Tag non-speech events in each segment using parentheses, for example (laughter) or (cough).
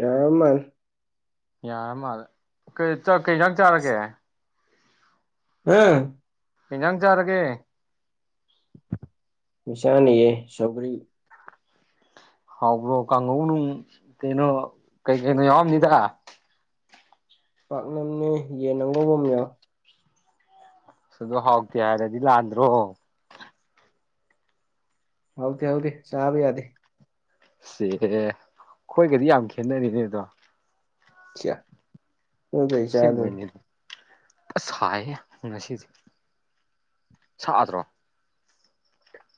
ꯌꯥꯃꯥꯟ ꯌꯥꯔ ꯃꯥꯜꯂꯦ ꯀꯩꯪ ꯆꯥꯔꯒꯦ ꯑꯝ ꯌꯦꯤꯟꯖꯥꯡ ꯆꯥꯔꯒꯦ ꯃꯤꯅꯤꯁꯥꯟ ꯌꯦ ꯁꯕꯔꯤ ꯍꯥꯎꯕ꯭ꯔꯣ ꯀꯥꯡꯍꯧ ꯅꯨꯡ ꯀꯩꯅꯣ ꯀꯩ ꯀꯩꯅꯣ ꯌꯥꯎꯔꯝꯃꯤꯗ ꯄꯥꯛꯅꯝꯅꯦ ꯌꯦꯟ ꯑꯪꯒꯧꯕ ꯑꯃ ꯌꯥꯎ ꯑꯗꯨꯣ ꯍꯥꯎꯇꯦ ꯍꯥꯏꯔꯗꯤ ꯂꯥꯟꯗ꯭ꯔꯣ ꯍꯥꯎꯗꯤ ꯍꯥꯎꯗꯤ ꯆꯥꯕꯤ ꯌꯥꯗꯗꯤ ꯁꯤ ꯑꯩꯈꯣꯏꯒꯗꯤ ꯌꯥꯝ ꯈꯦꯠꯅꯔꯤꯅꯦ ꯑꯗꯣ ꯈ ꯁꯤꯕꯣꯏꯅꯤ ꯑꯁ ꯁꯥꯏꯌꯦ ꯉꯁꯤꯁꯦ ꯁꯥꯛꯗ꯭ꯔꯣ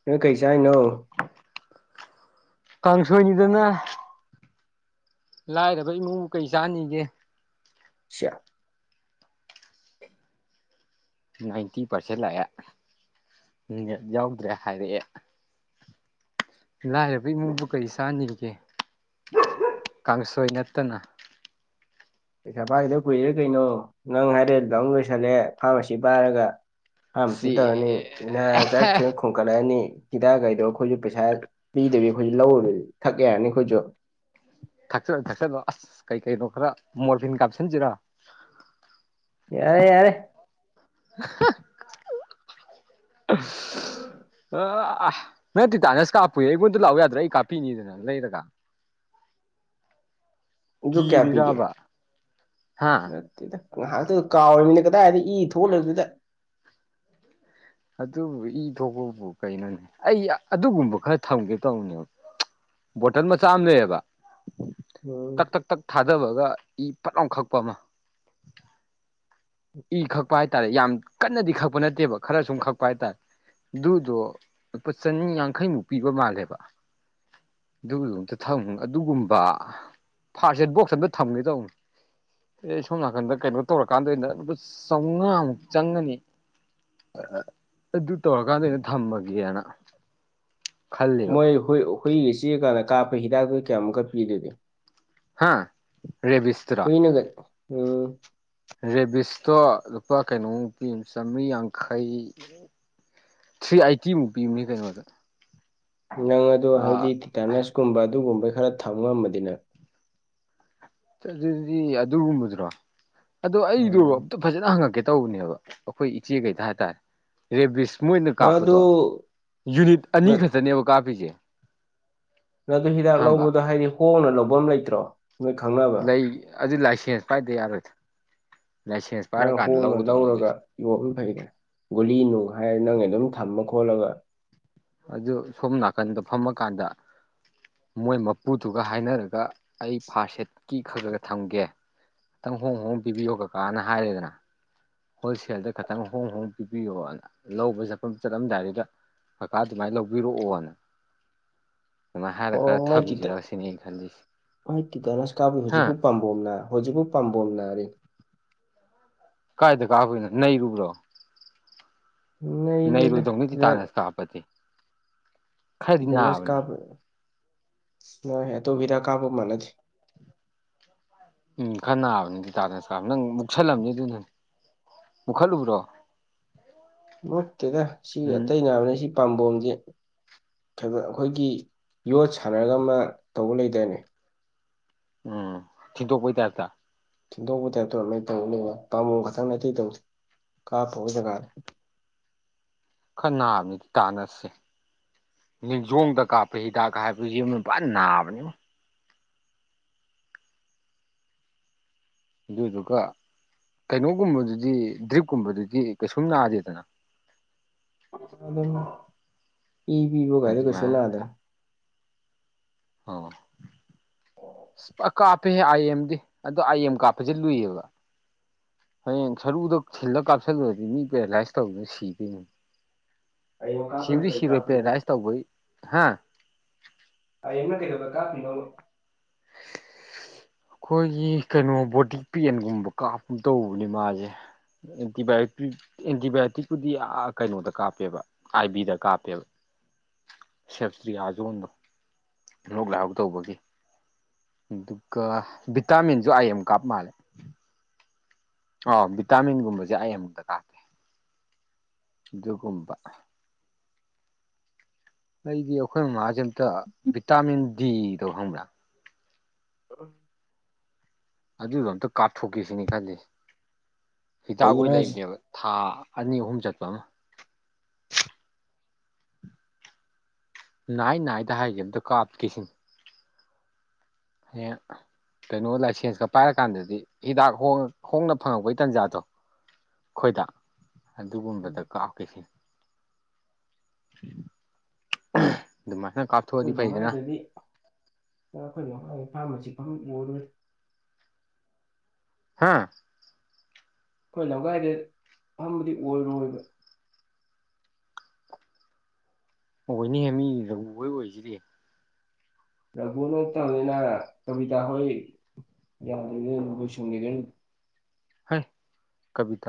ꯅꯣꯏ ꯀꯩ ꯆꯥ ꯍꯥꯏꯅꯣ ꯀꯥꯡꯁꯣꯏꯅꯤꯗꯅ ꯂꯥꯏꯔꯕ ꯏꯃꯨꯡꯕꯨ ꯀꯩ ꯆꯥꯅꯤꯒꯦ ꯁ ꯅꯥꯏꯟꯇꯤ ꯄꯥꯔꯁꯦꯟ ꯂꯥꯛꯑꯦ ꯌꯥꯎꯗ꯭ꯔꯦ ꯍꯥꯏꯔꯛꯑꯦ ꯂꯥꯏꯔꯕ ꯏꯃꯨꯡꯕꯨ ꯀꯔꯤ ꯆꯥꯅꯤꯡꯔꯤꯒꯦ ꯈꯨꯁꯣꯏ ꯅꯠꯇꯅ ꯄꯩꯁꯥ ꯄꯥꯏꯈꯤꯗꯕ ꯀꯨꯏꯗ꯭ꯔꯦ ꯀꯩꯅꯣ ꯅꯪ ꯍꯥꯏꯔꯦ ꯑꯗꯨ ꯂꯣꯏꯁꯤꯜꯂꯦ ꯐꯥꯔꯃꯥꯁꯤ ꯄꯥꯏꯔꯒ ꯑꯥꯝ ꯁꯤ ꯇꯧꯔꯅꯤ ꯏꯅꯥ ꯆꯠꯈ꯭ꯔ ꯈꯣꯡꯒꯠꯂꯛꯑꯅꯤ ꯍꯤꯗꯥꯛ ꯀꯩꯗꯧꯕ ꯑꯩꯈꯣꯏꯁꯨ ꯄꯩꯁꯥ ꯄꯤꯗꯕꯤ ꯑꯩꯈꯣꯏꯁꯨ ꯂꯧꯔꯨꯗꯗꯤ ꯊꯛ ꯌꯥꯔꯅꯤ ꯑꯩꯈꯣꯏꯁꯨ ꯊꯛꯆꯜꯂꯣ ꯊꯛꯆꯜꯂꯣ ꯑꯁ ꯀꯩ ꯀꯩꯅꯣ ꯈꯔ ꯃꯣꯔꯐꯤꯟ ꯀꯥꯞꯁꯤꯟꯁꯤꯔꯥ ꯌꯥꯔꯦ ꯌꯥꯔꯦ ꯍ ꯑ ꯑ ꯅꯪ ꯇꯤ ꯇꯇꯥꯅꯁ ꯀꯥꯞꯄꯨ ꯑꯩꯉꯣꯟꯗ ꯂꯥꯛꯎ ꯌꯥꯗ꯭ꯔꯥ ꯑꯩ ꯀꯥꯞꯄꯤꯅꯤꯗꯅ ꯂꯩꯔꯒ ꯑꯗꯨ ꯀꯌꯥ ꯄꯤꯒꯦ ꯀꯤꯔꯤꯔꯕ ꯍꯥ ꯑꯗꯨꯗ ꯉꯥꯏꯍꯥꯛꯇ ꯀꯥꯎꯃꯤꯅ ꯀꯗꯥꯏꯗ ꯏ ꯊꯣꯛꯍꯂꯕꯗꯨꯗ ꯑꯗꯨꯕꯨ ꯏ ꯊꯣꯛꯄꯕꯨ ꯀꯩꯅꯣꯅꯦ ꯑꯩ ꯑꯗꯨꯒꯨꯝꯕ ꯈꯔ ꯊꯝꯒꯦ ꯇꯧꯕꯅꯦꯕ ꯕꯣꯇꯜ ꯃꯆꯥ ꯑꯃ ꯂꯩꯌꯦꯕ ꯎꯝ ꯇꯛ ꯇꯛ ꯇꯛ ꯊꯥꯗꯕꯒ ꯏ ꯄꯠꯂꯥꯎ ꯈꯛꯄ ꯑꯃ ꯏ ꯈꯛꯄ ꯍꯥꯏꯇꯥꯔꯦ ꯌꯥꯝ ꯀꯟꯅꯗꯤ ꯈꯛꯄ ꯅꯠꯇꯦꯕ ꯈꯔ ꯁꯨꯝ ꯈꯛꯄ ꯍꯥꯏꯇꯥꯔꯦ ꯑꯗꯨꯗꯣ ꯂꯨꯄꯥ ꯆꯅꯤ ꯌꯥꯡꯈꯩꯃꯨꯛ ꯄꯤꯕ ꯃꯥꯜꯂꯦꯕ ꯑꯗꯨꯒꯗꯨ ꯑꯝꯇ ꯊꯝ ꯑꯗꯨꯒꯨꯝꯕ ꯐꯥꯔꯁ ꯑꯦꯠ ꯕꯣꯛꯁ ꯑꯝꯇ ꯊꯝꯒꯦ ꯇꯧꯕꯅꯤ ꯑꯩ ꯁꯣꯝ ꯅꯥꯀꯟꯗ ꯀꯩꯅꯣ ꯇꯧꯔꯀꯥꯟꯗ ꯑꯣꯏꯅ ꯂꯨꯄꯥ ꯆꯥꯝꯃꯉꯥꯃꯨꯛ ꯆꯪꯉꯅꯤ ꯑꯗꯨ ꯇꯧꯔꯀꯥꯟꯗ ꯑꯩꯅ ꯊꯝꯃꯒꯦꯅ ꯈꯜꯂꯤꯕ ꯃꯣꯏ ꯍꯨ ꯍꯨꯏꯒ ꯆꯤꯔ ꯀꯥꯟꯗ ꯀꯥꯞꯄ ꯍꯤꯗꯥꯛꯇꯣ ꯀꯌꯥꯃꯨꯛꯀꯛ ꯄꯤꯗꯗꯤ ꯍꯥꯥ ꯔꯦꯕꯤꯁꯇ ꯎꯝ ꯔꯦꯕꯤꯁꯇꯣ ꯂꯨꯄꯥ ꯀꯩꯅꯣꯃꯨ ꯄꯤ ꯆꯥꯝꯃꯔꯤ ꯌꯥꯡꯈꯩ ꯊ꯭ꯔꯤ ꯑꯥꯏꯠꯇꯤꯃꯨꯛ ꯄꯤꯕꯅꯤ ꯀꯩꯅꯣꯗ ꯅꯪ ꯑꯗꯣ ꯍꯥꯏꯗꯤ ꯑꯥ ꯇꯤꯇꯥꯅꯁꯀꯨꯝꯕ ꯑꯗꯨꯒꯨꯝꯕ ꯈꯔ ꯊꯝ ꯉꯝꯕꯅꯤꯅ ꯑꯗꯨꯗꯤ ꯑꯗꯨꯒꯨꯝꯕꯗꯨ꯭ꯔꯣ ꯑꯗꯨꯗ ꯑꯩꯗ ꯎꯝ ꯑꯝꯇ ꯐꯖꯅ ꯍꯪꯉꯛꯀꯦ ꯇꯧꯕꯅꯦꯕ ꯑꯩꯈꯣꯏ ꯏꯆꯦꯈꯩꯗ ꯍꯥꯏꯇꯥꯔꯦ ꯔꯦꯕꯤꯁ ꯃꯣꯏꯅ ꯅꯪ ꯑꯗꯨ ꯀꯥꯞꯄꯗꯣ ꯌꯨꯅꯤꯠ ꯑꯅꯤ ꯈꯛꯇꯅꯦꯕ ꯀꯥꯞꯄꯤꯁꯦ ꯑꯗꯨ ꯍꯤꯗꯥꯛ ꯑꯍꯥꯟꯕ ꯂꯧꯕꯗꯣ ꯍꯥꯏꯗꯤ ꯍꯣꯡꯅ ꯂꯐꯝ ꯂꯩꯇ꯭ꯔꯣ ꯅꯣꯏ ꯈꯪꯅꯕ ꯂꯩ ꯑꯗꯨ ꯂꯥꯏꯁꯦꯟꯁ ꯄꯥꯏꯗ ꯌꯥꯔꯣꯏꯗ꯭ꯔꯥ ꯂꯥꯏꯁꯦꯟꯁ ꯄꯥꯏꯔꯀꯥꯟꯗ ꯂꯧꯒꯗꯧꯅꯦ ꯑꯗꯨꯗꯤ ꯌꯣꯅ ꯐꯩꯗ꯭ꯔꯦ ꯒꯨꯂꯤ ꯅꯨꯡ ꯍꯥꯏꯔ ꯅꯪ ꯑꯗꯨꯝ ꯊꯝꯃ ꯈꯣꯠꯂꯒ ꯑꯗꯨ ꯁꯣꯝ ꯅꯥꯀꯟꯗ ꯐꯝꯃꯀꯥꯟꯗ ꯃꯣꯏ ꯃꯄꯨꯗꯨꯒ ꯍꯥꯏꯅꯔꯒ ꯑꯩ ꯐꯥꯔ ꯁꯦꯠꯀꯤ ꯈꯔ ꯈꯔ ꯊꯝꯒꯦ ꯈꯤꯇꯪ ꯍꯣꯡ ꯍꯣꯡ ꯄꯤꯕꯤꯌꯣ ꯀꯀꯥꯅ ꯍꯥꯏꯔꯦꯗꯅ ꯍꯣꯏꯁꯦꯟꯗ ꯈꯇꯪ ꯍꯣꯡ ꯍꯣꯡ ꯄꯤꯕꯤꯌꯣꯅ ꯂꯧꯕ ꯖꯐꯝ ꯆꯠꯂꯝꯗꯥꯏꯗꯨꯗ ꯀꯀꯥ ꯑꯗꯨꯃꯥꯏꯟ ꯂꯧꯕꯤꯔꯣꯑꯣꯅ ꯑꯣ ꯃꯥꯏꯇꯤꯛꯇ ꯈꯜꯂꯤꯁꯦ ꯃꯥꯏ ꯇꯤꯇꯥꯅꯁ ꯀꯥꯕ ꯍꯥ ꯍꯧꯖꯤꯛꯕꯨ ꯄꯝ ꯄꯣꯝ ꯅ ꯍꯣꯖꯤꯛꯕꯨ ꯄꯥꯝꯕꯣꯝꯅ ꯀꯥꯏꯗ ꯀꯥꯕꯩꯅꯣ ꯅꯩꯔꯨꯕ꯭ꯔꯣ ꯅꯗꯦꯗ ꯇꯄꯅꯦ ꯕꯦꯅꯁ ꯀꯕ ꯅꯣꯏ ꯑꯗꯨ ꯍꯤꯗꯥꯛ ꯀꯥꯕ ꯃꯅꯗꯤ ꯎꯝ ꯈꯔ ꯅꯥꯕꯅꯤ ꯗꯤꯗꯅꯁ ꯀꯥ ꯅꯪ ꯃꯨꯛꯁꯜꯂꯝꯅꯤ ꯑꯗꯨꯅꯅꯤ ꯃꯨꯛꯈꯠꯂꯨꯕ꯭ꯔꯣ ꯑꯝ ꯀꯦꯗ ꯁꯤ ꯎꯝ ꯑꯇꯩꯅ ꯅꯥꯕꯅꯦ ꯁꯤ ꯄꯥꯝꯕꯣꯝꯖꯦ ꯊꯕ ꯑꯈꯣꯏꯒꯤ ꯌꯣꯠ ꯁꯥꯟꯅꯔꯒ ꯑꯃ ꯇꯧꯕ ꯂꯩꯗꯥꯏꯅꯦ ꯎꯝ ꯊꯤꯟꯗꯣꯛꯄꯩ ꯇꯥꯏꯞꯇ ꯊꯤꯟꯗꯣꯛꯄ ꯇꯥꯏꯞꯇꯣ ꯂꯣꯏꯟ ꯇꯧ ꯂꯩꯕꯋꯥꯟ ꯄꯥꯝꯕꯣꯝ ꯈꯛꯇꯪ ꯑꯇꯩ ꯇꯧꯗꯦ ꯀꯥꯞꯄꯕ ꯖꯒꯥꯗ ꯈ ꯅꯥꯕꯅꯤ ꯇꯤꯇꯅꯁꯁꯦ ꯅꯤꯡꯖꯣꯡꯗ ꯀꯥꯞꯄꯦ ꯍꯤꯗꯥꯛꯒ ꯍꯥꯏꯕꯗꯨ ꯌꯦꯝꯔꯨꯝ ꯄꯟ ꯅꯥꯕꯅꯦꯉꯣ ꯑꯗꯨꯗꯨꯒ ꯀꯩꯅꯣꯒꯨꯝꯕꯗꯨꯗꯤ ꯗ꯭ꯔꯤꯞꯀꯨꯝꯕꯗꯨꯗꯤ ꯀꯩꯁꯨꯝ ꯅꯥꯗꯦꯗꯅ ꯑꯗꯨꯝ ꯏ ꯄꯤꯕ ꯀꯥꯏꯗꯨ ꯀꯩꯁꯨ ꯑꯗꯨꯃꯥꯏꯅ ꯅꯥꯗ ꯑꯣ ꯄ ꯀꯥꯞꯄꯦꯍꯦ ꯑꯥꯏ ꯑꯦꯝꯗꯤ ꯑꯗꯣ ꯑꯥꯏ ꯑꯦꯝ ꯀꯥꯞꯄꯖꯤ ꯂꯨꯏꯌꯦꯕ ꯍꯌꯦꯡ ꯁꯔꯨꯗ ꯊꯤꯜꯂ ꯀꯥꯞꯁꯤꯜꯂꯨꯔꯗꯤ ꯃꯤ ꯄꯦꯔꯥꯂꯥꯏꯁ ꯇꯧꯗꯨꯅ ꯁꯤꯗꯣꯏꯅꯤ ꯑꯌꯦꯡ ꯀꯥꯞꯄꯅ ꯁꯤꯕꯔꯤ ꯀꯔꯤ ꯁꯤꯔꯣꯏ ꯄꯦꯔ ꯀꯥꯞꯄꯤꯅꯣ ꯂꯥꯏꯁ ꯇꯧꯕꯩ ꯍꯥ ꯑ ꯌꯦꯝꯒ ꯀꯩꯒꯕ ꯀꯥꯞꯄꯤꯅꯣꯕ ꯈꯣꯏꯒꯤ ꯀꯩꯅꯣ ꯕꯣꯗꯤ ꯄꯦꯟꯒꯨꯝꯕ ꯀꯥꯞꯀꯨꯝ ꯇꯧꯕꯅꯦ ꯃꯥꯖꯦ ꯑꯦꯟꯇꯤꯕꯥꯏꯌꯨꯇꯨꯏ ꯑꯦꯟꯇꯤꯕꯥꯏꯌꯣꯇꯤꯛꯄꯨꯗꯤ ꯑ ꯀꯩꯅꯣꯗ ꯀꯥꯞꯄꯦꯕ ꯑꯥꯏ ꯕꯤꯗ ꯀꯥꯞꯄꯦꯕ ꯁꯦꯞꯁꯇ꯭ꯔꯤꯌ ꯖꯣꯟꯗꯣ ꯂꯣꯛ ꯂꯥꯏꯍꯧ ꯇꯧꯕꯒꯤ ꯑꯗꯨꯒ ꯚꯤꯇꯥꯃꯤꯟꯁꯨ ꯑꯥꯏꯦꯝ ꯀꯥꯞꯄ ꯃꯥꯜꯂꯦ ꯑꯣ ꯚꯤꯇꯥꯃꯤꯟꯒꯨꯝꯕꯖꯦ ꯑꯥꯏ ꯑꯦꯝꯗ ꯒꯥꯞ ꯑꯗꯨꯒꯨꯝꯕ ꯑꯩꯗꯤ ꯑꯈꯣꯏ ꯃꯥꯖꯦ ꯑꯝꯇ ꯚꯤꯇꯥꯃꯤꯟ ꯗꯤꯗꯣ ꯈꯪꯕ꯭ꯔꯥ ꯑꯑ ꯑꯗꯨꯗꯣ ꯑꯝꯇ ꯀꯥꯞꯊꯣꯛꯀꯦꯁꯤꯅꯤ ꯈꯜꯂꯤꯁꯤ ꯍꯤꯗꯥꯛ ꯀꯩꯒꯤꯅꯣ ꯑꯣꯏ ꯍꯥꯏꯁꯦ ꯂꯩꯕꯅꯦꯕ ꯊꯥ ꯑꯅꯤ ꯑꯍꯨꯝ ꯆꯠꯄ ꯑꯃ ꯥꯅꯥꯏ ꯅꯥꯏꯗ ꯍꯥꯏꯒꯦ ꯑꯝꯇ ꯀꯥꯞꯀꯦꯁꯤꯟ ꯅꯦ ꯀꯩꯅꯣ ꯂꯥꯏꯁꯦꯟꯁꯀ ꯄꯥꯏꯔ ꯀꯥꯟꯗꯗꯤ ꯍꯤꯗꯥꯛ ꯍꯣꯡꯉ ꯍꯣꯡꯅ ꯐꯪꯉꯛꯄꯩ ꯇꯟꯖꯥꯗꯣ ꯈꯣꯏꯗ ꯑꯗꯨꯒꯨꯝꯕꯗ ꯑꯩꯈꯣꯏ ꯀꯥꯞꯀꯦ ꯁꯤ ꯑꯗꯨꯃꯍ ꯀꯞ ꯑꯈꯣꯏ ꯂꯝꯒꯥꯏꯗꯗꯤ ꯑ ꯑꯈꯣꯏ ꯂꯝꯃꯥꯏꯒꯤ ꯐꯥꯔꯃꯥꯁꯤ ꯐꯪ ꯎꯔꯥꯏ ꯍꯥꯥ ꯈꯣꯏ ꯂꯝꯈꯥꯏꯗꯦꯠ ꯐꯝꯕꯗꯤ ꯑꯣꯏꯔꯣꯏꯕ ꯑꯣꯏꯅꯤꯍꯦ ꯃꯤ ꯔꯒꯨꯑꯣꯏ ꯑꯣꯏꯔꯤꯖꯤꯗꯤ ꯔꯘꯨ ꯅꯣꯡꯇꯥꯝꯅꯤꯅ ꯀꯕꯤꯗꯥ ꯍꯣꯏ ꯌꯥꯝꯗꯕꯤꯗ ꯂꯣꯏ ꯁꯟꯒꯤꯗꯣꯏꯟ ꯍꯥꯏ ꯀꯕꯤꯇ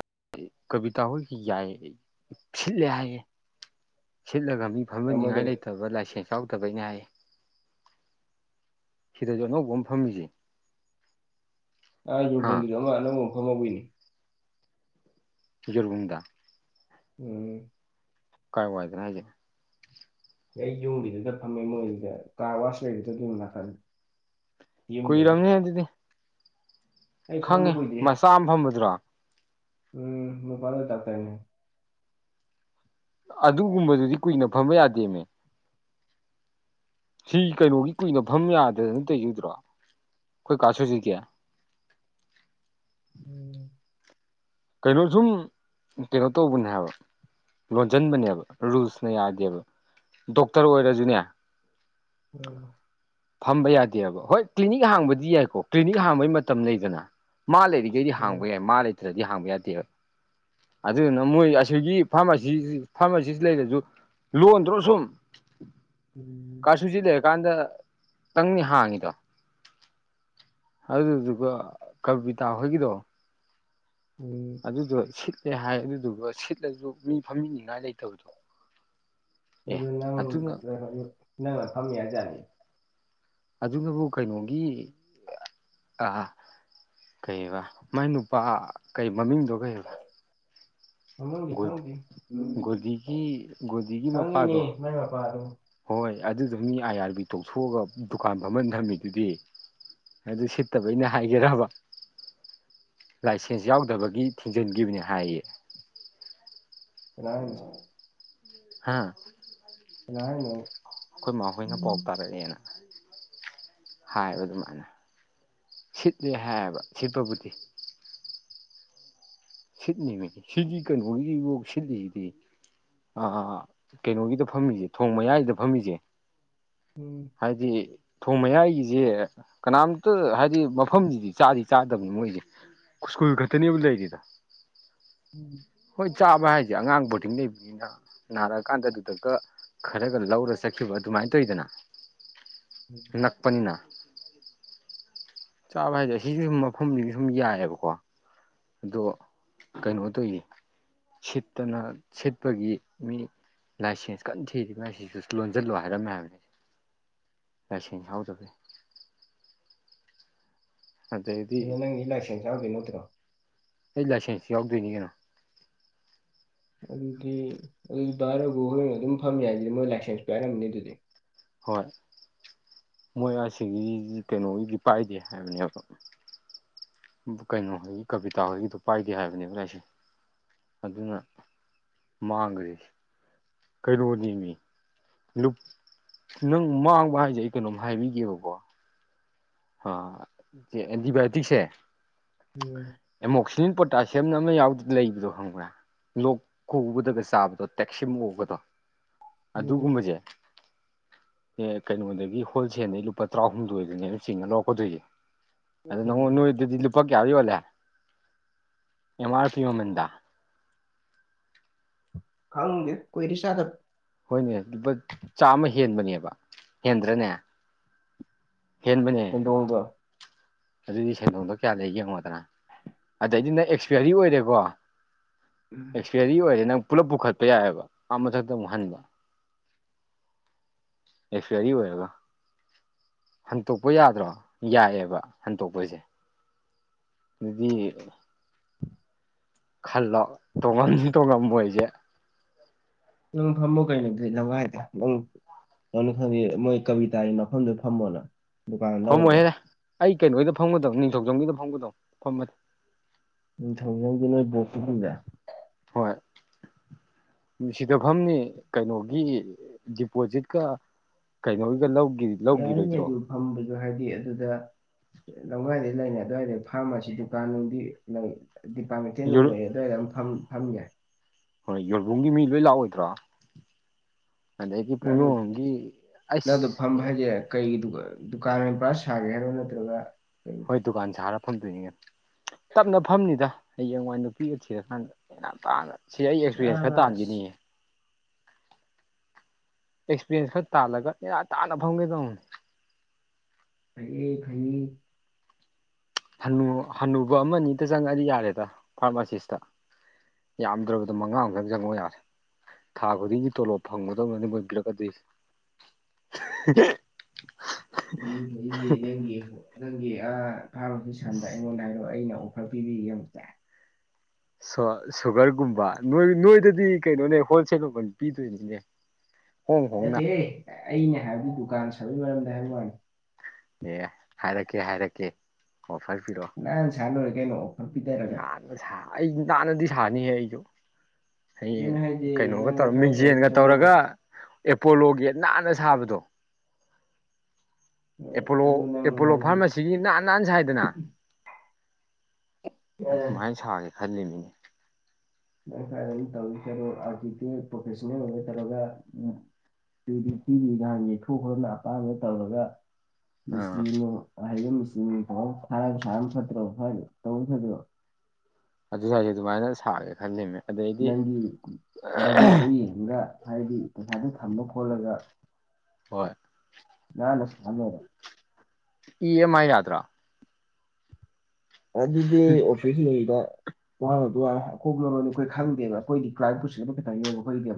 ꯀꯕꯤꯇꯥ ꯍꯣꯏ ꯌꯥꯏ ꯁꯤꯠꯂꯤ ꯍꯥꯏꯌꯦ ꯁꯤꯠꯂꯒ ꯃꯤ ꯐꯝꯍꯟꯅꯤꯡꯉꯥꯏ ꯑꯃꯒꯗ ꯂꯩꯇꯕ ꯂꯥꯏꯁꯦꯟꯁ ꯌꯥꯎꯗꯕꯩꯩꯅꯦ ꯍꯥꯏꯌꯦ ꯁꯤꯗꯖꯨ ꯑꯅꯧꯕ ꯑꯃ ꯐꯝꯃꯤꯖꯦ ꯑꯥ ꯍꯥ ꯌꯣꯐꯣꯡꯒꯤꯖꯨ ꯑꯃ ꯑꯅꯧꯕ ꯃꯐꯝꯍꯧꯋꯤ ꯌꯣꯔꯨꯕꯨꯡꯗ ꯎꯝ ꯀꯥꯏ ꯋꯥꯥꯏꯗꯅꯣ ꯍꯥꯏꯖꯦ ꯑꯩ ꯌꯨꯝꯒꯤꯗꯨꯗ ꯐꯝꯃꯦ ꯃꯣꯏꯗ ꯀꯥꯔ ꯋꯥꯁ ꯂꯩꯕꯖꯨꯒꯤ ꯅꯥꯀꯟ ꯌꯨꯝꯗ ꯀꯣꯏ ꯑꯗꯨꯝ ꯔꯝꯅꯤ ꯍꯥꯏꯗꯤ ꯑꯩ ꯈꯪꯕ ꯈꯪꯉꯤ ꯀꯨꯏꯗ꯭ꯔꯤ ꯃꯆꯥ ꯑꯃ ꯐꯝꯕꯗꯨ꯭ꯔꯣ ꯎꯝ ꯃꯄꯥꯜ ꯇꯥꯛꯇꯅꯦ ꯑꯗꯨꯒꯨꯝꯕꯗꯨꯗꯤ ꯀꯨꯏꯅ ꯐꯝꯕ ꯌꯥꯗꯦꯅꯦ ꯁꯤ ꯀꯩꯅꯣꯒꯤ ꯀꯨꯏꯅꯐꯝ ꯌꯥꯗꯗꯅ ꯇꯧꯖꯣꯏꯗ꯭ꯔꯣ ꯑꯩꯈꯣꯏ ꯀꯥ ꯁꯨꯁꯤꯒꯦ ꯎꯝ ꯀꯩꯅꯣ ꯁꯨꯝ ꯀꯩꯅꯣ ꯇꯧꯕꯅꯦ ꯍꯥꯏꯕ ꯂꯣꯟꯁꯤꯟꯕꯅꯦꯕ ꯔꯨꯜꯁꯅ ꯌꯥꯗꯦꯕ ꯗꯣꯛꯇꯔ ꯑꯣꯏꯔꯁꯨꯅꯦ ꯎꯝ ꯐꯝꯕ ꯌꯥꯗꯦꯕ ꯍꯣꯏ ꯀ꯭ꯂꯤꯅꯤꯛ ꯍꯥꯡꯕꯗꯤ ꯌꯥꯏꯀꯣ ꯀ꯭ꯂꯤꯅꯤꯛ ꯍꯥꯡꯕꯩ ꯃꯇꯝ ꯂꯩꯗꯅ ꯃꯥ ꯂꯩꯔꯤ ꯑꯗꯨꯗꯤ ꯎꯝ ꯍꯥꯡꯕ ꯌꯥꯏ ꯃꯥ ꯂꯩꯇ꯭ꯔꯗꯤ ꯍꯥꯡꯕ ꯌꯥꯗꯦꯕ ꯑꯗꯨꯗꯨꯅ ꯃꯣꯏ ꯑꯁꯤꯒꯤ ꯐꯥꯔꯃꯥꯁꯤ ꯐꯥꯔꯃꯥꯁꯤ ꯂꯩꯔꯁꯨ ꯂꯣꯟꯗ꯭ꯔꯣ ꯁꯨꯝ ꯎꯝ ꯀꯥꯁꯤꯖꯤ ꯂꯩꯦ ꯀꯥꯟꯗ ꯇꯪꯅꯤ ꯍꯥꯡꯉꯤꯀꯣ ꯑꯗꯨꯗꯨꯒ ꯀꯕꯤꯇꯥ ꯍꯣꯏꯒꯤꯗꯣ ꯎ ꯑꯗꯨꯗꯣ ꯁꯤꯠꯂꯦ ꯍꯥꯏ ꯑꯗꯨꯗꯨꯒ ꯁꯤꯠꯂꯁꯨ ꯃꯤ ꯐꯝꯃꯤꯅꯤꯉꯥꯏ ꯂꯩꯇꯕꯗꯣ ꯀ ꯑꯦ ꯅ ꯑꯗꯨꯅ ꯅꯅꯥꯥ ꯐꯥꯝꯃꯦꯌꯥꯅꯤ ꯑꯗꯨꯅꯕꯨ ꯀꯩꯅꯣꯒꯤ ꯑꯥ ꯀꯩꯕ ꯃꯥꯏ ꯅꯨꯄꯥ ꯀꯩ ꯃꯃꯤꯡꯗꯣ ꯀꯩꯕ ꯃꯃꯨꯡꯗꯤ ꯈꯪꯗꯦ ꯒꯣꯗꯤꯒꯤ ꯒꯣꯗꯤꯒꯤ ꯈꯪꯉꯤꯅꯦ ꯃꯄꯥꯗꯣ ꯃꯥꯏ ꯃꯄꯥꯗꯨ ꯍꯣꯏ ꯑꯗꯨꯗ ꯃꯤ ꯑꯥꯏ ꯑꯥꯔ ꯕꯤ ꯇꯣꯛꯊꯣꯛꯑꯒ ꯗꯨꯀꯥꯟ ꯐꯝꯃꯟ ꯊꯝꯃꯤꯗꯨꯗꯤ ꯑꯗꯨ ꯁꯤꯠꯇꯕ ꯑꯩꯅ ꯍꯥꯏꯒꯦꯔꯕ ꯂꯥꯏꯁꯦꯟꯁ ꯌꯥꯎꯗꯕꯒꯤ ꯊꯤꯡꯖꯤꯟꯈꯤꯕꯅꯤ ꯍꯥꯏꯌꯦ ꯅꯥꯁ ꯍꯥꯥ ꯌꯥꯥꯏꯅ ꯑꯩꯈꯣꯏ ꯃꯥ ꯍꯣꯏꯅ ꯄꯥꯎ ꯇꯥꯔꯛꯑꯦꯅ ꯍꯥꯏꯕ ꯑꯗꯨꯃꯥꯏꯅ ꯁꯤꯠꯂꯦ ꯍꯥꯏꯌꯦꯕ ꯁꯤꯠꯄꯕꯨꯗꯤ ꯁꯤꯠꯅꯤꯕꯅꯤ ꯁꯤꯗꯤ ꯀꯩꯅꯣꯒꯤꯗꯤ ꯁꯤꯂꯤꯁꯤꯗꯤ ꯑꯥ ꯀꯩꯅꯣꯒꯤꯗ ꯐꯝꯃꯤꯁꯦ ꯊꯣꯡ ꯃꯌꯥꯏꯒꯤꯗ ꯐꯝꯃꯤꯁꯦ ꯍꯥꯏꯗꯤ ꯊꯣꯡ ꯃꯌꯥꯏꯒꯤꯁꯦ ꯀꯅꯥꯝꯇ ꯍꯥꯏꯗꯤ ꯃꯐꯝꯁꯤꯗꯤ ꯆꯥꯗꯤ ꯆꯥꯗꯕꯅꯤ ꯃꯣꯏꯁꯦ ꯁ꯭ꯀꯨꯜ ꯈꯛꯇꯅꯦꯕꯨ ꯂꯩꯔꯤꯗ ꯎꯝ ꯍꯣꯏ ꯆꯥꯕ ꯍꯥꯏꯁꯦ ꯑꯉꯥꯡꯕꯨꯗꯤꯡ ꯂꯩꯕꯅꯤꯅ ꯅꯥꯔꯛꯑꯀꯥꯟꯗ ꯑꯗꯨꯗꯒ ꯈꯔꯒ ꯂꯧꯔ ꯆꯠꯈꯤꯕ ꯑꯗꯨꯃꯥꯏꯅ ꯇꯧꯋꯤꯗꯅ ꯅꯛꯄꯅꯤꯅ ꯆꯥꯕ ꯍꯥꯏꯁꯦ ꯁꯤꯁꯨ ꯁꯨꯝ ꯃꯐꯝꯁꯤꯁꯨ ꯁꯨꯝ ꯌꯥꯏꯑꯦꯕꯀꯣ꯫ ꯑꯗꯣ ꯀꯩꯅꯣ ꯇꯧꯌꯦ꯫ ꯁꯤꯠꯇꯅ ꯁꯤꯠꯄꯒꯤ ꯃꯤ꯫ ꯂꯥꯏꯁꯦꯟꯁ ꯀꯟꯅ ꯊꯤꯔꯤꯉꯥꯏꯁꯤꯁꯨ ꯂꯣꯟꯁꯤꯜꯂꯣ ꯍꯥꯏꯔꯝꯃꯦ ꯍꯥꯏꯕꯅꯦ꯫ ꯂꯥꯏꯁꯦꯡ ꯌꯥꯎꯗꯕꯩ꯫ ꯑꯗꯩꯗꯤ ꯑꯗꯣ ꯅꯪꯒꯤ ꯂꯥꯏꯁꯦꯟꯁ ꯌꯥꯎꯗꯣꯏ ꯅꯠꯇ꯭ꯔꯣ꯫ ꯑꯩ ꯂꯥꯏꯁꯦꯟꯁꯇ ꯌꯥꯎꯗꯣꯏꯅꯤ ꯀꯩꯅꯣ꯫ ꯑꯗꯨꯗꯤ ꯑꯗꯨ ꯔꯒꯨ ꯍꯣꯏ ꯑꯗꯨꯝ ꯐꯝ ꯌꯥꯏꯗꯨꯗꯤ ꯃꯣꯏ ꯂꯥꯏꯁꯦꯟꯁ ꯄꯥꯏꯔꯝꯝꯕꯅꯤ ꯑꯗꯨꯗꯤ꯫ ꯍꯣꯏ ꯃꯣꯏ ꯑꯁꯤꯒꯤ ꯀꯩꯅꯣꯒꯤꯗꯤ ꯄꯥꯏꯗꯦ ꯍꯥꯏꯕꯅꯦꯕ꯫ ꯀꯩꯅꯣꯍꯣꯏꯒꯤ ꯀꯕꯤꯇꯥ ꯍꯣꯏꯒꯤꯗꯣ ꯄꯥꯏꯗꯦ ꯍꯥꯏꯕꯅꯦꯕ ꯂꯥꯢꯁꯦꯟ ꯫ ꯑꯗꯨꯅ ꯃꯥꯡꯒ꯭ꯔꯤꯁꯤ꯫ ꯀꯩꯅꯣ ꯅꯦꯃꯤ꯫ ꯅꯪ ꯃꯥꯡꯕ ꯍꯥꯏꯁꯦ ꯑꯩ ꯀꯩꯅꯣꯝ ꯍꯥꯏꯕꯤꯒꯦꯕꯀꯣ꯫ ꯁꯦ ꯑꯦꯟꯇꯤꯕꯥꯌꯣꯇꯤꯛꯁꯦ꯫ ꯎꯝ꯫ ꯑꯦꯃꯣꯛꯁꯤꯂꯤꯟ ꯄꯣꯇꯥꯁꯤꯌꯝꯅ ꯑꯃ ꯌꯥꯎꯗꯅ ꯂꯩꯕꯗꯣ ꯈꯪꯕ꯭ꯔꯥ꯫ ꯂꯣꯛ ꯈꯨꯕꯗꯒ ꯆꯥꯕꯗꯣ ꯇꯦꯛꯁꯤꯃꯨꯛ ꯑꯣꯕꯗꯣ ꯎꯝ ꯑꯗꯨꯒꯨꯝꯕꯁꯦ꯫ ꯑꯦ ꯀꯩꯅꯣꯗꯒꯤ ꯍꯣꯜꯁꯦꯜꯗꯒꯤ ꯂꯨꯄꯥ ꯇꯔꯥꯍꯨꯝꯗꯣꯏꯗꯅꯦꯅ ꯆꯤꯡꯉ ꯂꯧꯔꯛꯀꯗꯣꯏꯁꯦ꯫ ꯑꯗꯨ ꯅꯪꯉ ꯎꯝ ꯅꯣꯏꯗꯨꯗꯤ ꯂꯨꯄꯥ ꯀꯌꯥ ꯌꯣꯜꯂꯦ ꯑꯦꯝ ꯑꯥꯔ ꯄꯤ ꯃꯃꯟꯗ꯫ ꯈꯪꯗꯦ ꯀꯣꯏꯔꯦ ꯆꯥꯗꯕ꯫ ꯍꯣꯏꯅꯦ ꯂꯨꯄꯥ ꯆꯥꯝꯃ ꯍꯦꯟꯕꯅꯦꯕ ꯍꯦꯟꯗ꯭ꯔꯅꯦ꯫ ꯍꯦꯟꯕꯅꯦ꯫ ꯅꯣꯡꯕ꯫ ꯑꯗꯨꯗꯤ ꯁꯦꯟꯗꯣꯡꯗꯣ ꯀꯌꯥ ꯂꯩ ꯌꯦꯡꯉꯣꯗꯅ ꯑꯗꯩꯗꯤ ꯅꯪ ꯑꯦꯛꯁꯄꯤꯌꯥꯔꯤ ꯑꯣꯏꯔꯦꯀꯣ꯫ ꯎꯝ꯫ ꯑꯦꯁꯄꯤꯌꯔꯤ ꯑꯣꯏꯔꯦ ꯅꯪ ꯄꯨꯂꯞ ꯄꯨꯈꯠꯄ ꯌꯥꯏꯑꯕ ꯑꯥ ꯃꯊꯛꯇ ꯑꯃꯨꯛ ꯍꯟꯕ꯫ ꯑꯦꯛꯁꯄꯦꯌꯔꯤ ꯑꯣꯏꯔꯒ꯫ ꯍꯟꯇꯣꯛꯄ ꯌꯥꯗ꯭ꯔꯣ ꯌꯥꯏꯑꯕ ꯍꯟꯇꯣꯛꯄꯁꯦ꯫ ꯑꯗꯨꯗꯤ꯫ ꯈꯜꯂꯣ ꯇꯣꯡꯉꯝꯅꯤ ꯇꯣꯡꯉꯝꯃꯣꯏꯁꯦ꯫ ꯅꯪ ꯐꯝꯃꯣ ꯀꯩꯅꯣꯗꯤ ꯑꯗꯨꯗꯤ ꯂꯋꯥꯏꯗ꯫ ꯀꯅ ꯈꯪꯗꯦ ꯃꯣꯏ ꯀꯕꯤꯇꯥꯒꯤ ꯃꯐꯝꯗꯨ ꯐꯝꯃꯣꯅ꯫ ꯗꯨꯀꯥꯟ ꯐꯝ ꯂꯧꯔꯒ ꯑꯣꯏꯍꯦ ꯑꯩ ꯀꯩꯅꯣꯒꯤꯗ ꯐꯝꯒꯗꯧ ꯅꯤꯡꯊꯧꯖꯝꯒꯤꯗ ꯐꯝꯒꯗꯧ ꯐꯝꯃꯗꯤ꯫ ꯅꯤꯡꯊꯧꯖꯝꯒꯤ ꯅꯣꯏ ꯕꯣꯛꯀꯕꯨꯗ꯫ ꯍꯣꯏ꯫ ꯁꯤꯗꯐꯝꯅꯤ ꯀꯩꯅꯣꯒꯤ ꯗꯤꯄꯣꯖꯤꯠꯀ꯫ ꯀꯩꯅꯣꯋꯒ ꯂꯧꯈꯤ꯫ ꯌꯥꯏꯅꯦ ꯑꯗꯨ ꯐꯝꯕꯁꯨ ꯍꯥꯏꯗꯤ ꯑꯗꯨꯗ꯫ ꯂꯝꯗꯥꯥꯏꯗꯩ ꯂꯩꯅꯤ ꯑꯗꯨꯋꯥꯏꯗꯩ ꯐꯥꯔꯃꯥꯁꯤ ꯗꯨꯀꯥꯟꯅꯨꯡꯗꯤ ꯂꯩ꯫ ꯗꯤꯄꯥ ꯃꯦꯟꯇꯦꯟ ꯂꯩꯑꯦ ꯑꯗꯨꯋꯥꯏꯗꯝ ꯐꯝ ꯌꯥꯏ꯫ ꯍꯣꯏ ꯌꯣꯔꯕꯣꯡꯒꯤ ꯃꯤ ꯂꯣꯏ ꯂꯥꯛꯑꯣꯏꯗ꯭ꯔꯣ꯫ ꯑꯗꯒꯤ ꯅꯪꯗꯨ ꯄꯨꯡꯗꯣꯡꯕꯝꯒꯤ ꯑꯁ꯫ ꯀꯩꯒꯤꯗꯨ ꯗꯨꯀꯥꯟ ꯑꯣꯏꯅ ꯄꯨꯔꯥ ꯁꯥꯒꯦ ꯍꯥꯏꯔꯣ ꯅꯠꯇ꯭ꯔꯒ ꯀꯩ꯫ ꯑꯩ ꯗꯨꯀꯥꯟ ꯁꯥꯔ ꯐꯝꯗꯣꯏꯅꯤꯉ ꯇꯞꯅ ꯐꯝꯅꯤꯗ꯫ ꯍꯌꯦꯡꯋꯥꯏ ꯅꯨꯄꯤꯒ ꯊꯤꯔꯀꯥꯟꯗ ꯌꯥꯝ ꯇꯥꯡꯉ ꯁꯤ ꯑꯩ ꯑꯦꯛꯁꯄꯤꯔꯌꯦꯟꯁ ꯈꯔ ꯆꯥꯕ ꯇꯥꯟꯈꯤꯅꯤꯌꯦ꯫ ꯑꯦꯛꯁꯄꯤꯔꯌꯦꯟꯁ ꯈꯔ ꯇꯥꯜꯂꯒ ꯅꯦꯅ ꯇꯥꯅ ꯐꯝꯒꯦ ꯇꯧꯕꯅꯦ꯫ ꯐꯌꯦ ꯐꯌꯦ꯫ ꯍꯟꯅꯨꯕ ꯑꯃ ꯑꯅꯤꯗ ꯆꯪꯉꯗꯤ ꯌꯥꯔꯦꯗ ꯐꯥꯔꯃꯥꯁꯤꯁꯇ꯫ ꯌꯥꯝꯗ꯭ꯔꯕꯗ ꯃꯉꯥ ꯑꯃꯈꯛꯇꯪ ꯆꯪꯉ ꯌꯥꯔꯦ꯫ ꯊꯥ ꯈꯨꯗꯤꯡꯒꯤ ꯇꯣꯂꯣꯞ ꯐꯪꯒꯗꯧꯅꯗꯤ ꯃꯣꯏꯕꯤꯔꯛꯀꯗꯣꯁꯤ꯫ (inaudible) (inaudible) ꯅꯪꯒꯤ ꯑ ꯐꯥꯔꯁꯤ ꯁꯝꯗ ꯑꯩꯉꯣꯟꯗ ꯍꯥꯏꯔꯣꯑꯣ ꯑꯩꯅ ꯑꯣꯐꯔ ꯄꯤꯕꯤ ꯌꯦꯡꯁꯦ (inaudible) ꯁꯣ ꯁꯨꯒꯔꯒꯨꯝꯕ ꯅꯣꯏ ꯅꯣꯏꯗꯗꯤ ꯀꯩꯅꯣꯅꯦ ꯍꯣꯜꯁꯦꯜ ꯃꯃꯥꯜ ꯄꯤꯗꯣꯏꯅꯤꯅꯦ (inaudible) ꯅꯠꯇꯦ ꯑꯩꯅ ꯍꯥꯏꯕꯗꯤ ꯗꯨꯀꯥꯟ ꯁꯥꯕꯩ ꯃꯔꯝꯗ ꯍꯥꯏꯕ ꯋꯥꯅꯤ ꯑꯦ ꯍꯥꯏꯔꯛꯀꯦ ꯍꯥꯏꯔꯛꯀꯦ ꯑꯣꯐꯥꯔ ꯄꯤꯔꯛꯑꯣ ꯅꯥꯟ ꯆꯥꯟꯗ ꯑꯣꯏ ꯀꯦꯩꯅꯣ (inaudible) ꯅꯥꯟꯅ ꯁꯥ ꯑꯩ ꯅꯥꯟꯅꯗꯤ ꯁꯥꯅꯤꯍꯦ ꯑꯩꯁꯨ ꯍꯌꯦꯡ ꯑꯗꯨꯅ ꯍꯥꯏꯗꯤ ꯀꯩꯅꯣꯒ ꯅꯪ ꯇꯧꯔ ꯁ꯭ꯋꯥꯏ ꯇꯧꯗꯣꯏ ꯃꯤꯡꯖꯦꯟꯒ ꯁꯔꯨꯛ ꯇꯧꯔꯒ ꯑꯦꯄꯣꯂꯣꯒꯤ ꯅꯥꯟꯅ ꯁꯥꯕꯗꯣ ꯑꯦꯄꯣꯂꯣ ꯑꯗꯨ ꯅꯪ ꯑꯦꯄꯣꯂꯣ ꯍꯥꯏꯗꯤ ꯐꯥꯔꯃꯥꯁꯤ ꯁꯤꯒꯤ ꯅꯥꯟ ꯅꯥꯠ ꯁꯥꯏꯗꯅ ꯑꯗꯨꯃꯥꯏꯅ ꯁꯥꯒꯦ ꯈꯜꯂꯤꯝꯅꯤ ꯗꯔꯀꯥꯔ ꯑꯗꯨ ꯇꯧꯋꯔꯣ ꯑꯥꯀꯤꯗꯤ ꯄ꯭ꯔꯣꯐꯦꯁꯅꯦꯜ ꯑꯣꯏꯕ ꯇꯧꯔꯒ (inaudible) ꯑꯗꯨꯗꯤ ꯁꯤꯒꯤ ꯏꯍꯥꯟ ꯌꯩꯊꯣꯛꯈꯣꯔꯅ ꯑꯄꯥꯝꯕ ꯇꯧꯔꯒ (inaudible) ꯑꯥ ꯃꯤꯁꯇ꯭ꯔꯤꯅꯣ ꯑꯍꯩꯕ ꯃꯤꯁꯇ꯭ꯔꯤꯅ ꯊꯥꯔꯒ ꯁꯥꯔ ꯐꯠꯇ꯭ꯔꯣ ꯐ ꯇꯧ ꯐꯗꯣ (inaudible) ꯑꯗꯨ ꯍꯥꯏꯁꯤ ꯑꯗꯨꯃꯥꯏꯅ ꯁꯥꯒꯦ ꯈꯜꯂꯤꯃꯦ ꯑꯗꯩꯗꯤ ꯅꯪꯒꯤ ꯕꯖꯦꯠꯇꯣ ꯌꯦꯡꯉꯥꯕ ꯍꯥꯏꯗꯤ ꯄꯩꯁꯥꯗꯨ ꯊꯝꯕ ꯈꯣꯠꯂꯒ ꯍꯣꯏ ꯌꯥ ꯅ ꯁꯅꯔ (inaudible) ꯏ ꯑꯦꯝ ꯑꯥꯏ ꯌꯥꯗ꯭ꯔꯣ ꯑꯗꯨꯗꯤ ꯐ ꯁꯤꯗꯩꯗ ꯋꯥꯔ ꯑꯀꯣꯛꯂꯔꯣꯏꯅꯤ ꯑꯩꯈꯣꯏ ꯈꯪꯗꯦꯕ ꯑꯩꯈꯣꯏꯗꯤ ꯀ꯭ꯔꯥꯏꯝ ꯄꯨꯁꯤꯟ ꯑꯃ ꯈꯤꯇꯪ ꯌꯕꯩꯗꯦꯕ (inaudible)